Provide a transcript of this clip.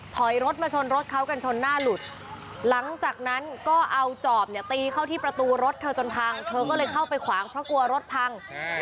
ถอยรถมาชนรถเขากันชนหน้าหลุดหลังจากนั้นก็เอาจอบเนี่ยตีเข้าที่ประตูรถเธอจนพัง